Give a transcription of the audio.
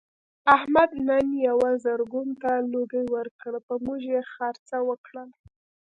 احمد نن یوه زرګون ته لوګی ورکړ په موږ یې خرڅه وکړله.